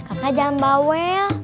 kakak jangan bawel